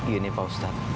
ini pak ustaz